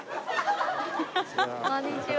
こんにちは。